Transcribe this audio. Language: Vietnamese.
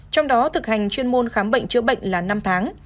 trong đó thực hành chuyên môn khám bệnh chữa bệnh là năm tháng